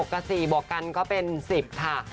กับ๔บวกกันก็เป็น๑๐ค่ะ